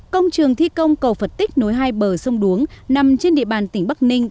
công trường thi công cầu phật tích nối hai bờ sông đuống nằm trên địa bàn tỉnh bắc ninh